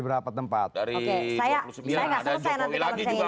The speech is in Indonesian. saya nggak setuju saya nanti kalau misalnya ini